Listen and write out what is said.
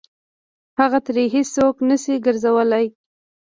هغه ترې هېڅ څوک نه شي ګرځولی.